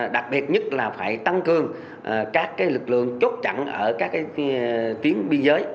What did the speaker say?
đặc biệt nhất là phải tăng cường các cái lực lượng chốt chặn ở các cái tuyến biên giới